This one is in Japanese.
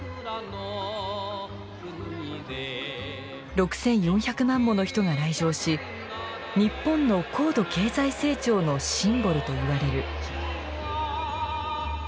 ６，４００万もの人が来場し日本の高度経済成長のシンボルといわれる。